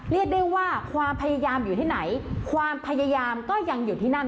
เรียกได้ว่าความพยายามอยู่ที่ไหนความพยายามก็ยังอยู่ที่นั่น